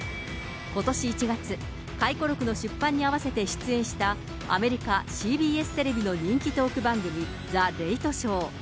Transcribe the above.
ことし１月、回顧録の出版にあわせて出演した、アメリカＣＢＳテレビの人気トーク番組、ザ・レイト・ショー。